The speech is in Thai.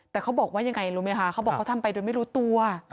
แต่เขาบอกว่ายังไงรู้ไหมคะเขาบอกเขาทำไปโดยไม่รู้ตัว